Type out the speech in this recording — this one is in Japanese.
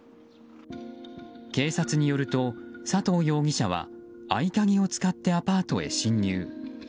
警察によると佐藤容疑者は合鍵を使ってアパートに侵入。